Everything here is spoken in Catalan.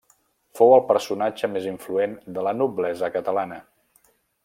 Fou el personatge més influent de la noblesa catalana.